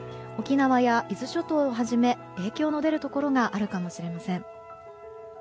沖縄や伊豆諸島をはじめ影響の出るところがあるかもしれません。